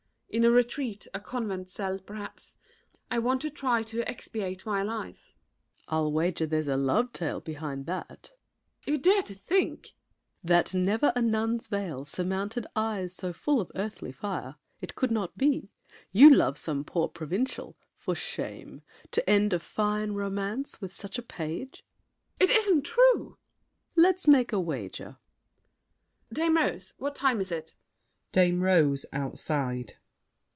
In a retreat, a convent cell, perhaps, I want to try to expiate my life. SAVERNY. I'll wager there's a love tale behind that. MARION. You dare to think— SAVERNY. That never a nun's veil Surmounted eyes so full of earthly fire. It could not be. You love some poor provincial! For shame! To end a fine romance with such A page! MARION. It isn't true! SAVERNY. Let's make a wager! MARION. Dame Rose, what time is it? DAME ROSE (outside).